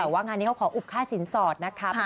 แต่ว่างานนี้เขาขออุบค่าสินสอดนะครับ